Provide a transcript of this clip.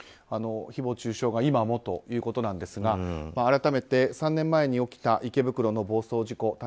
誹謗中傷が今もということなんですが改めて、３年前に起きた池袋の暴走事故。